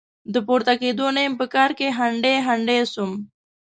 د پورته کېدو نه يم؛ په کار کې هنډي هنډي سوم.